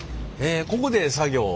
ここで作業を？